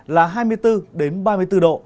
là hai mươi bốn đến ba mươi bốn độ